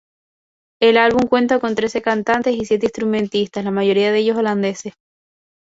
El álbum cuenta con trece cantantes y siete instrumentistas, la mayoría de ellos holandeses.